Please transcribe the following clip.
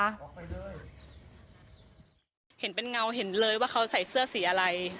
เห็นเป็นเงาเห็นเลยว่าเขาใส่เสื้อสีอะไร